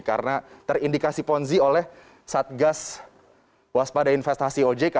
karena terindikasi ponzi oleh satgas waspada investasi ojk